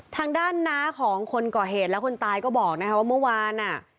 ทางด้านน้าของคนก่อเหตุและคนตายก็บอกนะคะว่าเมื่อวานอ่ะ